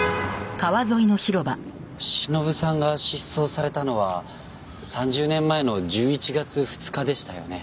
忍さんが失踪されたのは３０年前の１１月２日でしたよね？